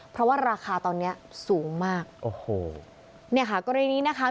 เพราะว่าราคาตอนเนี้ยสูงมากโอ้โหเนี่ยค่ะกรณีนี้นะคะ